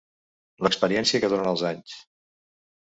L'experiència que donen els anys.